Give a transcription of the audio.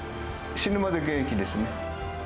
死ぬまで現役ですね。